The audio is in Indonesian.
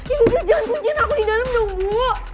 ibu please jangan kuncin aku di dalam dong ibu